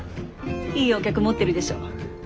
いいお客持ってるでしょ。